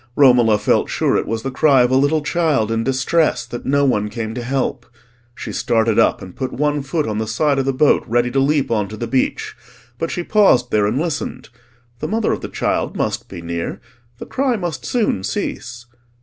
Romola felt sure it was the cry of a little child in distress that no one came to help. She started up and put one foot on the side of the boat ready to leap on to the beach; but she paused there and listened: the mother of the child must be near, the cry must soon cease.